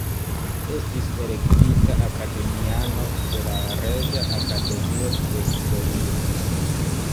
Estis elektita akademiano de la Reĝa Akademio de Historio.